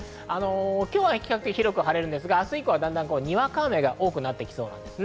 今日は比較的晴れるんですが、明日以降はだんだん、にわか雨が多くなってきそうです。